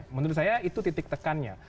menurut saya itu titik tekannya